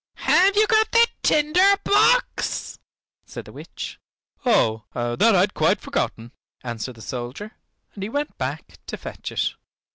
"Have you got the tinder box?" said the witch. "Oh, that I had quite forgotten," answered the soldier, and back he went to fetch it.